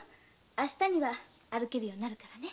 明日は歩けるようになるからね。